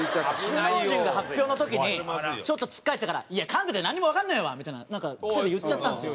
首脳陣が発表の時にちょっとつっかえてたから「かんでてなんにもわかんねえわ」みたいな癖で言っちゃったんですよ。